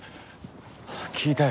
聞いたよ。